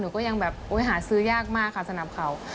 หนูก็ยังแบบหาซื้อยากมากค่ะสนับเข่า